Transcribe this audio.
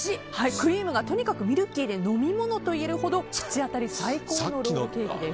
クリームがとにかくミルキーで飲み物といえるほど口当たり最高のロールケーキです。